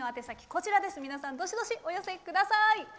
皆さん、おハガキどしどしお寄せください。